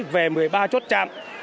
về một mươi ba chốt trạm